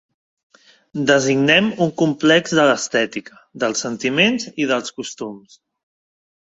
Designem un complex de l'estètica, dels sentiments i dels costums.